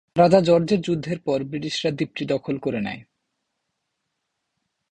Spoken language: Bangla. রাজা জর্জের যুদ্ধের পর ব্রিটিশরা দ্বীপটি দখল করে নেয়।